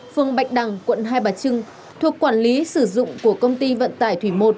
phường bạch đằng quận hai bà trưng thuộc quản lý sử dụng của công ty vận tải thủy một